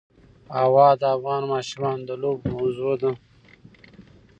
هوا د افغان ماشومانو د لوبو موضوع ده.